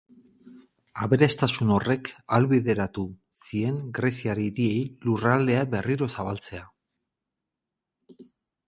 Aberastasun horrek ahalbideratu zien greziar hiriei lurraldea berriro zabaltzea.